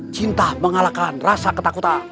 cinta mengalahkan rasa ketakutan